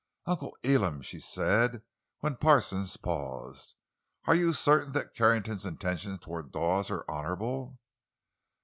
"Uncle Elam," she said when Parsons paused, "are you certain that Carrington's intentions toward Dawes are honorable?"